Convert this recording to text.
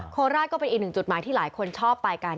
โคราชก็เป็นอีกหนึ่งจุดหมายที่หลายคนชอบไปกัน